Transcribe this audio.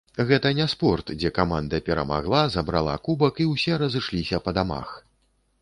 Гэта не спорт, дзе каманда перамагла, забрала кубак і ўсе разышліся па дамах.